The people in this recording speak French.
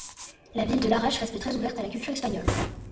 La ville de Larache reste très ouverte à la culture espagnole.